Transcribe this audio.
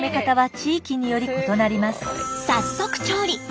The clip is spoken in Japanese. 早速調理！